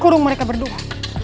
kurung mereka berdua